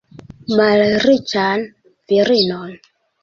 Malriĉan virinon!